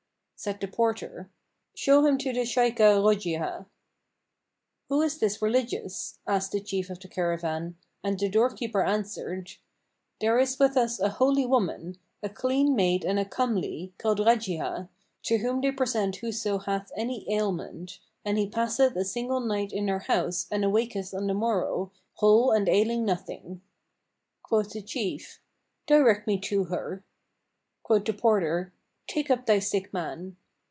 Said the porter, "Show him to the Shaykhah[FN#552] Rбjihah." "Who is this Religious?" asked the chief of the caravan, and the door keeper answered, "There is with us a holy woman, a clean maid and a comely, called Rajihah, to whom they present whoso hath any ailment; and he passeth a single night in her house and awaketh on the morrow, whole and ailing nothing." Quoth the chief, "Direct me to her;" quoth the porter, "Take up thy sick man."